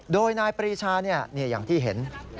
โดยนายปริชาเนี่ยนี่อย่างที่เห็น